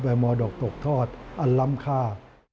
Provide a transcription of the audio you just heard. เป็นมอดกตกทอดอันล้ำค่า